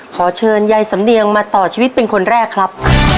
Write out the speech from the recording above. ขอเชิญยายสำเนียงมาต่อชีวิตเป็นคนแรกครับ